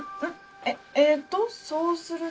えっとそうすると？